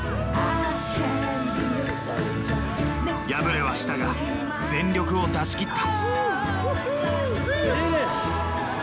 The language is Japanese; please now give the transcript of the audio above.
敗れはしたが全力を出し切った。